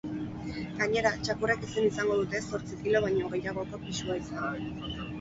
Gainera, txakurrek ezin izango dute zortzi kilo baino gehiagoko pisua izan.